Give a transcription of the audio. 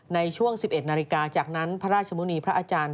ในช่วง๑๑นาฬิกาจากนั้นพระราชมุณีพระอาจารย์